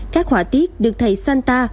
các họa tiết được thầy santa